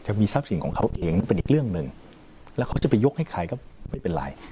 จะมีทรัพย์สินของเขาเองเป็นอีกเรื่องหนึ่งแล้วเขาจะไปยกให้ใครก็ไม่เป็นไร